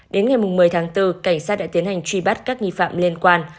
đến ngày một mươi tháng bốn cảnh sát đã tiến hành truy bắt các nghi phạm liên quan